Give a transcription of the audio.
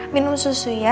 minum susu ya